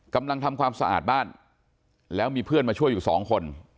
กำลังทำความสะอาดบ้านแล้วมีเพื่อนมาช่วยอยู่สองคน